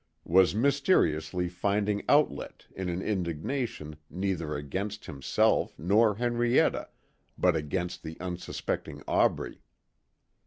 was mysteriously finding outlet in an indignation neither against himself nor Henrietta, but against the unsuspecting Aubrey.